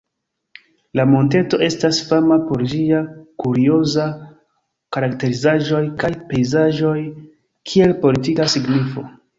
La monteto estas fama por ĝia kurioza karakterizaĵoj kaj pejzaĝoj, kiel politika signifo.